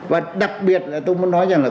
và đặc biệt là tôi muốn nói rằng là